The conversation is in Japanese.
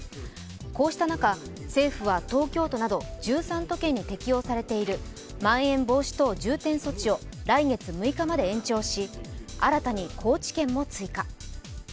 こうした中、政府は東京都など１３都県に適用されているまん延防止等重点措置を来月６日まで延長し新たに高知県も追加。